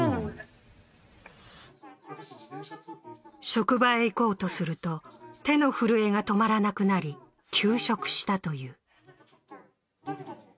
職場へ行こうとすると、手の震えが止まらなくなり、休職したという。